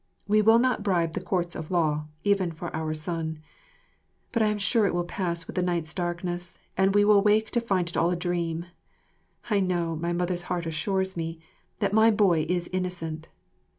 We will not bribe the Courts of Law, even for our son. But I am sure it will pass with the night's darkness, and we will wake to find it all a dream. I know, my mother's heart assures me, that my boy is innocent.